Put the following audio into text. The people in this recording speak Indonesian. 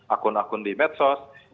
akun akun di medsos